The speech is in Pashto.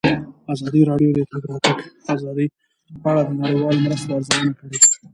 ازادي راډیو د د تګ راتګ ازادي په اړه د نړیوالو مرستو ارزونه کړې.